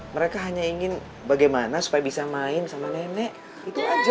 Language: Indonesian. mereka hanya ingin bagaimana supaya bisa main sama nenek itu aja